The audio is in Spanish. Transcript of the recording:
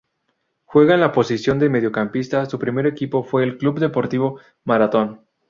Juega en la posición de mediocampista, su primer equipo fue el Club Deportivo Marathón.